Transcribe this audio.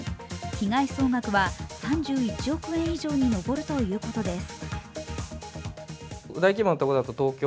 被害総額は３１億円上に上るということです。